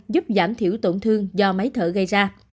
giúp giảm thiểu tổn thương do máy thở gây ra